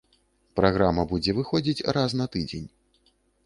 Праграма будзе выходзіць раз на тыдзень.